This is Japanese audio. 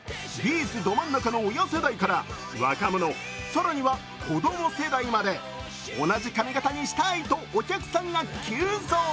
’ｚど真ん中の親世代から若者、更に子供世代まで同じ髪形にしたいとお客さんが急増。